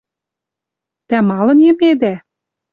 Тӓ малын йӹмедӓ?